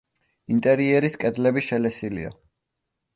ინტერიერის კედლები შელესილია.